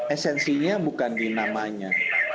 esensinya bukan di namanya